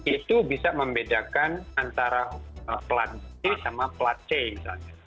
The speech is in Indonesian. itu bisa membedakan antara plat c sama plat c misalnya